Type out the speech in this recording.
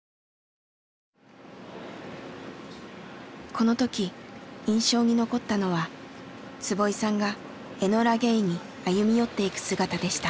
このとき印象に残ったのは坪井さんがエノラ・ゲイに歩み寄っていく姿でした。